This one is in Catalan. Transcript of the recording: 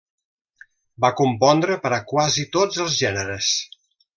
Va compondre per a quasi tots els gèneres.